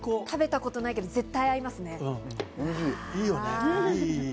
食べたことないけど絶対合いますよね。